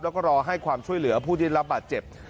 แล้วก็รอให้ความช่วยเหลือผู้ได้รับบาดเจ็บ